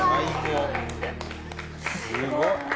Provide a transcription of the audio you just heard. すごい！